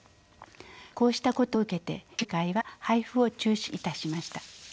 こうしたことを受けて渋谷区教育委員会は配布を中止いたしました。